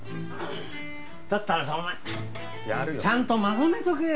だったらさお前ちゃんとまとめとけよ。